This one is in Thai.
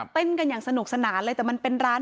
เต้นกันอย่างสนุกสนานเลยแต่มันเป็นร้าน